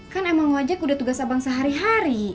kan emang ngajak udah tugas abang sehari hari